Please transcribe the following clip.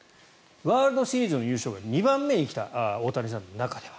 ワールドシリーズ優勝が２番目に来た大谷さんの中では。